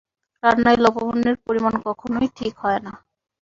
রান্নায় লবণের পরিমাণ কখনোই ঠিক হয় না।